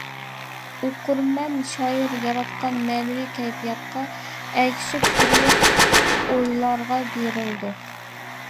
ئوقۇرمەن شائىر ياراتقان مەنىۋى كەيپىياتقا ئەگىشىپ، تۈرلۈك ئويلارغا بېرىلىدۇ.